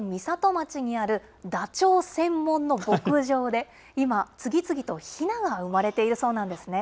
町にあるダチョウ専門の牧場で今、次々とひなが生まれているそうなんですね。